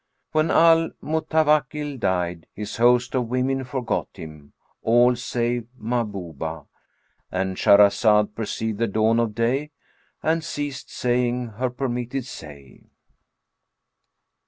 When Al Mutawakkil died, his host of women forgot him, all save Mahhubah,—And Shahrazad perceived the dawn of day and ceased saying her permitted say.